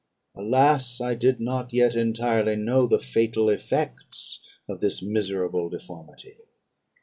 Alas! I did not yet entirely know the fatal effects of this miserable deformity.